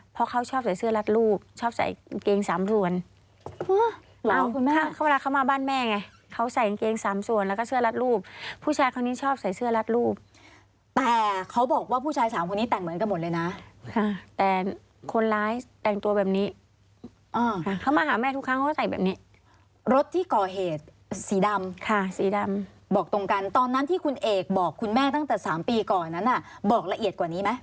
เพราะเขาชอบใช้เสื้อลัดรูปชอบใส่อังเกง๓ส่วน